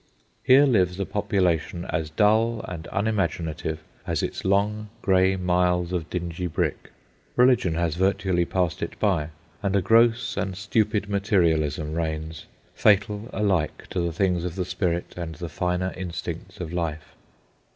Here lives a population as dull and unimaginative as its long grey miles of dingy brick. Religion has virtually passed it by, and a gross and stupid materialism reigns, fatal alike to the things of the spirit and the finer instincts of life.